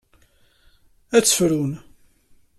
Ad tt-frun.